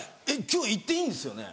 今日言っていいんですよね？